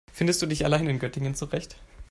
Findest du dich allein in Göttingen zurecht?